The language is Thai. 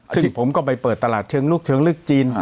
ซึ่งผมก็ไปเปิดตลาดเชิงลุกเชิงลึกจีน